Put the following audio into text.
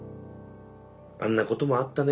「あんなこともあったね」